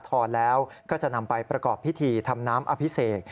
ใส่ขันสาทรแล้วก็จะนำไปประกอบพิธีทำน้ำอภิเษษ